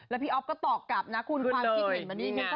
แล้วพี่อ๊อฟก็ตอกกลับนะคุณความคิดเห็นมานี้